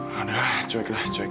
ya udah cuek lah cuek